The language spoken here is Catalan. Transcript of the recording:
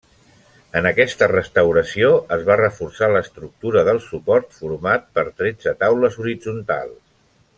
En aquesta restauració es va reforçar l'estructura del suport format per tretze taules horitzontals.